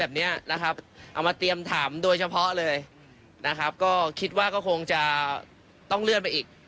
เอามาเตรียมถามด้วยเฉพาะคิดว่าก็คงคงจะต้องเลื่อนไปอีก